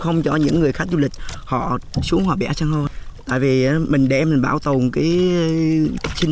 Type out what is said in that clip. không cho những người khách du lịch họ xuống hoặc bẻ san hô tại vì mình để mình bảo tồn cái sinh